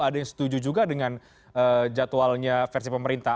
ada yang setuju juga dengan jadwalnya versi pemerintah